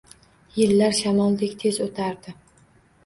Yillar shamoldek tez o`tardi